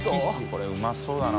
これうまそうだな